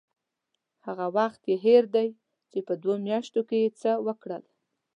هغه وخت یې هېر دی چې په دوو میاشتو کې یې څه وکړل.